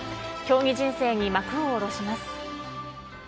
競技人生に幕を下ろします。